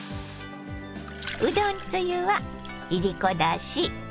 うどんつゆはいりこだし